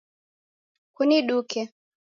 Kuniduke